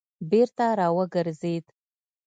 بېرته را وګرځېد.